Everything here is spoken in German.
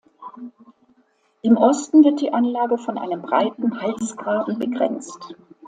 Im Osten wird die Anlage von einem breiten Halsgraben begrenzt.